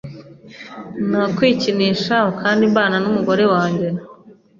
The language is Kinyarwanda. no kwikinisha kandi mbana n’umugore wanjye